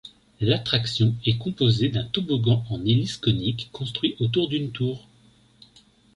L’attraction est composée d’un toboggan en hélice conique construit autour d'une tour.